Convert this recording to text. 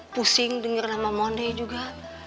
pusing denger nama monday juga